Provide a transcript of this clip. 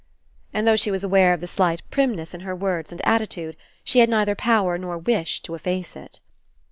And though she was aware of the slight primness in her words and attitude, she had neither power nor wish to efface it.